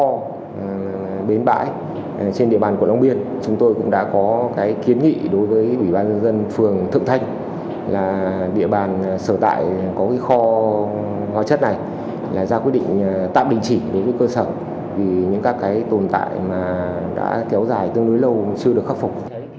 trong bến bãi trên địa bàn quận long biên chúng tôi cũng đã có kiến nghị đối với ubnd phường thượng thanh là địa bàn sở tại có kho gói chất này là ra quyết định tạm đình chỉ với cơ sở vì những tồn tại đã kéo dài tương đối lâu chưa được khắc phục